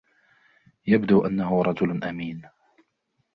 يبدو أنه رجل أمين.